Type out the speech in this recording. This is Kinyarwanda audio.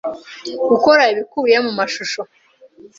gukore ibikubiye mu meshusho